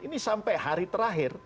ini sampai hari terakhir